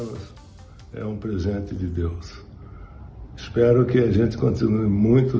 saya harap kita akan terus berjalan dengan lama